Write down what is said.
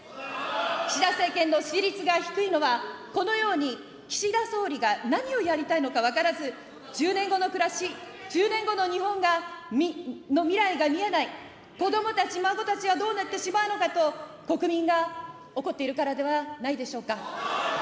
岸田政権の支持率が低いのは、このように岸田総理が何をやりたいのか分からず、１０年後の暮らし、１０年後の日本が、の未来が見えない、子どもたち、孫たちはどうなってしまうのかと、国民が怒っているからではないでしょうか。